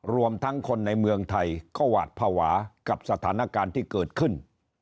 รวมทั้งคนในเมืองไทยก็หวาดภาวะกับสถานการณ์ที่เกิดขึ้น